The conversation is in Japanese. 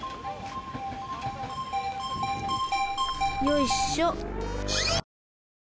よいっしょ。